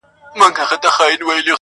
o د زرو قدر زرگر لري٫